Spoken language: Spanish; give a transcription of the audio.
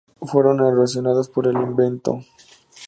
Fueron erosionadas por el viento.